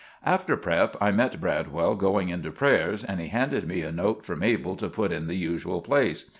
After prep. I met Bradwell going in to prayers, and he handed me a note for Mabel to put in the usual place.